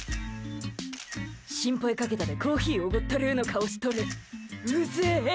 心配かけたでコーヒーおごったる！の顔しとる。